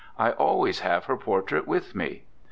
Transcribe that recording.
I always have her portrait with me.'